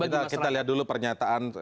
kita lihat dulu pernyataan